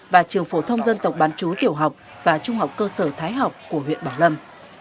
và trường phổ thông dân tộc bán chú tiểu học và trung học cơ sở thái học của huyện bảo lâm